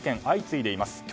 相次いでいます。